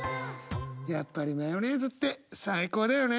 やっぱりマヨネーズって最高だよね！